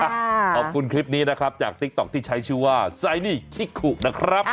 ขอบคุณคลิปนี้นะครับจากติ๊กต๊อกที่ใช้ชื่อว่าไซนี่คิกขุนะครับ